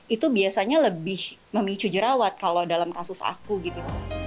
itu biasanya lebih memicu jerawat kalau dalam kasus aku gitu